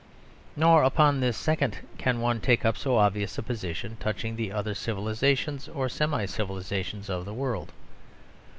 Nor upon this second can one take up so obvious a position touching the other civilisations or semi civilisations of the world.